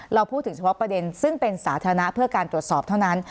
เราพูดถึงเฉพาะประเด็นซึ่งเป็นสาธารณะเพื่อการตรวจสอบเท่านั้น